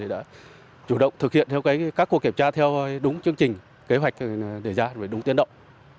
đã chủ động thực hiện theo các cuộc kiểm tra theo đúng chương trình kế hoạch đề ra đúng tiến động